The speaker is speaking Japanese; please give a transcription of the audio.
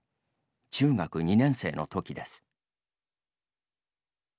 中学２年生のときです。